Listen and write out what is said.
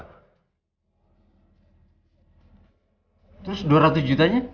terus dua ratus jutanya